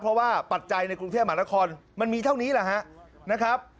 เพราะว่าปัจจัยในกรุงเทพมหานครมันมีเท่านี้แหละฮะนะครับ